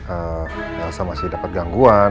elsa masih dapet gangguan